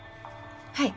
はい。